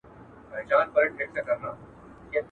چي بوډۍ وي په تلوار ډوډۍ خوړلې.